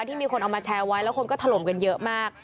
ที่มีคนเอามาแชร์ไว้แล้วคนก็ถล่มกันเยอะมาก